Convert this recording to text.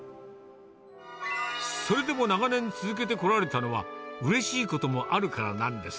それでも長年続けてこられたのは、うれしいこともあるからなんです。